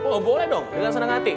oh boleh dong dengan senang hati